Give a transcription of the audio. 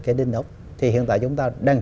cái đinh ốc thì hiện tại chúng ta đang